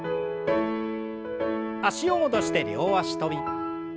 脚を戻して両脚跳び。